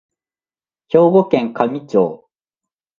兵庫県香美町